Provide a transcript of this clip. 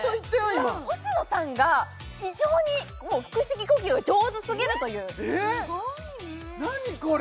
今ほしのさんが異常にもう腹式呼吸が上手すぎるというえっ何これ？